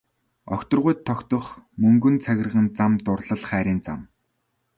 Огторгуйд тогтох мөнгөн цагирган зам дурлал хайрын зам.